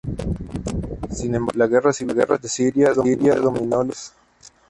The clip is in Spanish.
Sin embargo, la guerra civil de Siria dominó los debates.